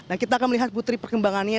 nah kita akan melihat putri perkembangannya